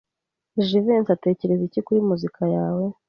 Jivency atekereza iki kuri muzika yawe?